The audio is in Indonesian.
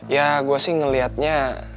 ya gue sih ngeliatnya